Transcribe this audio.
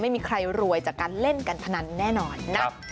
ไม่มีใครรวยจากการเล่นการพนันแน่นอนนะ